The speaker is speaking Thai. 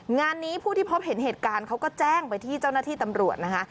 งานนี้ผู้ที่พบเห็นเหตุการณ์เขาก็แจ้งไปที่เจ้าหน้าที่ตำรวจนะคะ